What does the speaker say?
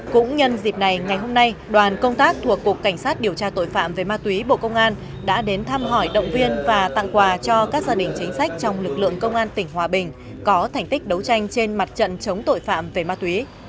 cũng nhân dịp này ngày hôm nay đoàn công tác thuộc cục cảnh sát điều tra tội phạm về ma túy bộ công an đã đến thăm hỏi động viên và tặng quà cho các gia đình chính sách trong lực lượng công an tỉnh hòa bình có thành tích đấu tranh trên mặt trận chống tội phạm về ma túy